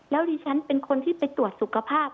แล้วดิฉันเป็นคนที่ไปตรวจสุขภาพ